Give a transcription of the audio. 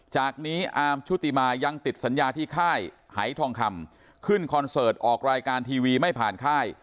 จากนี้อาร์มชุติมายังติดสัญญาที่ค่ายหายทองคำขึ้นคอนเสิร์ตออกรายการทีวีไม่ผ่านค่าย